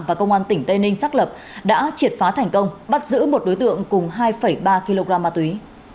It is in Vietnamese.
và công an tỉnh tây ninh xác lập đã triệt phá thành công bắt giữ một đối tượng cùng hai ba kg ma túy